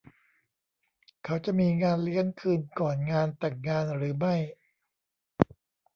เขาจะมีงานเลี้ยงคืนก่อนงานแต่งงานหรือไม่ ?